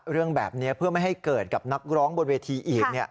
เรื่องแบบนี้เพื่อไม่ให้เกิดกับนักร้องบนเวทีอีก